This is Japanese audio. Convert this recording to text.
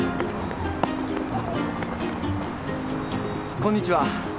こんにちは。